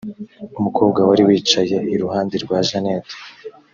umukobwa wari wicaye iruhande rwa janet